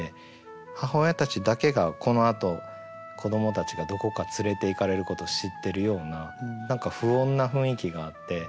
母親たちだけがこのあと子どもたちがどこか連れていかれること知ってるような何か不穏な雰囲気があって。